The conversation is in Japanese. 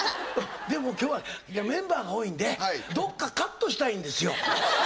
でも今日はメンバーが多いんでどっかカットしたいんですよ。